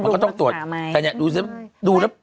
มันก็ต้องตรวจแต่ดูสิวะ